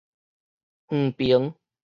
遠爿